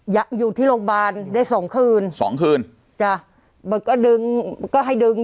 อยู่ที่โรงพยาบาลได้สองคืนสองคืนจ้ะมันก็ดึงก็ให้ดึง